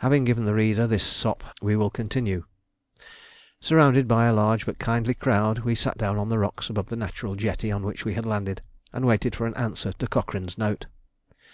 Having given the reader this sop we will continue. Surrounded by a large but kindly crowd, we sat down on the rocks above the natural jetty on which we had landed, and waited for an answer to Cochrane's note.